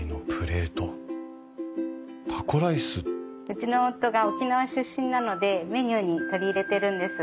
うちの夫が沖縄出身なのでメニューに取り入れてるんです。